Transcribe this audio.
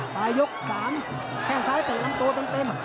ปลายยก๕แค่งซ้ายตกลงตัวเต็ม